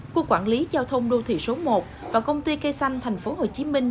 quốc quản lý giao thông đô thị số một và công ty cây xanh thành phố hồ chí minh